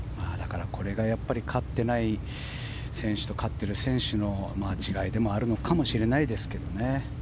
これが勝っていない選手と勝っている選手の、違いでもあるのかもしれないですけどね。